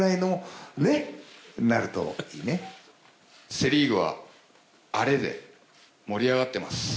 セ・リーグはアレで盛り上がっています。